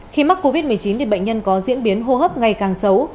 khi mắc covid một mươi chín thì bệnh nhân có diễn biến hô hấp ngày càng xấu